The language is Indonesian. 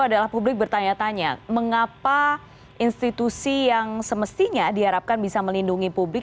adalah publik bertanya tanya mengapa institusi yang semestinya diharapkan bisa melindungi publik